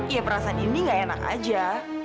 ya perasaan indi nggak enak aja